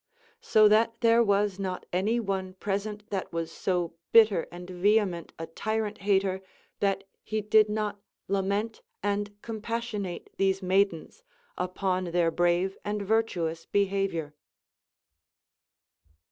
So that there was not any one present that was so bitter and vehement a tyrant hater that he did not lament and com passionate these maidens upon their brave and virtuous behavior.